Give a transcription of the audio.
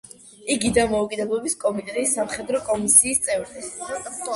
იყო „დამოუკიდებლობის კომიტეტის“ სამხედრო კომისიის წევრი.